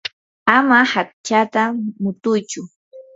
ama hachata mutuychu.